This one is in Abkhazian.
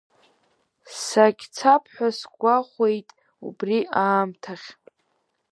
Сагьцап ҳәа сгәахәуеит убри аамҭахь!